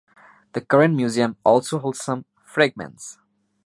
The current museum also holds some fragments.